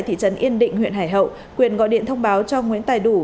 thị trấn yên định huyện hải hậu quyền gọi điện thông báo cho nguyễn tài đủ